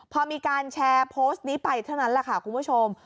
พอมีการแชร์โพสต์นี้ไปเท่านั้นแหละค่ะคุณผู้ชม